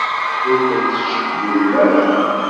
Ur kent-ttcewwilen ara.